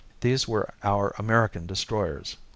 These were our American destroyers.